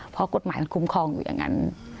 เพราะกฎหมายมันคุ้มครองอยู่อย่างนั้น